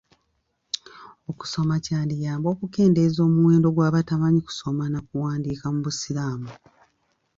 Okusoma kwandiyamba okukendeeza omuwendo gw'abatamanyi kusoma na kuwandiika mu busiramu.